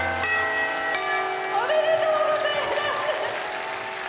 おめでとうございます！